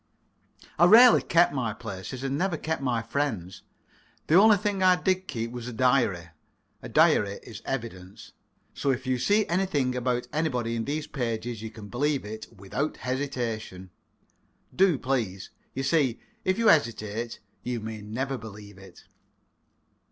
I rarely kept my places, and never kept my friends. The only thing I did keep was a diary. A diary is evidence. So if you see anything about anybody in these pages, you can believe it without hesitation. Do, please. You see, if you hesitate, you may never believe it.